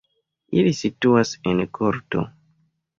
Ili situas en korto.